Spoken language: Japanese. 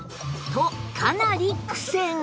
とかなり苦戦